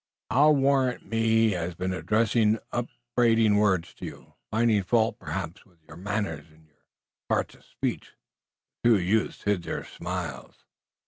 I'll warrant me he has been addressing upbraiding words to you, finding fault, perhaps, with your manners and your parts of speech." The two youths hid their smiles.